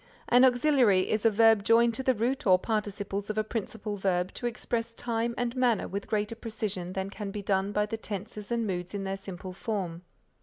An auxiliary is a verb joined to the root or participles of a principal verb to express time and manner with greater precision than can be done by the tenses and moods in their simple form.